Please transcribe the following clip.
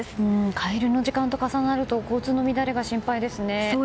帰りの時間と重なると交通の乱れが心配ですね。